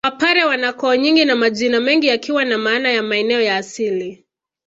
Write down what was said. Wapare wana koo nyingi na majina mengi yakiwa na maana ya maeneo ya asili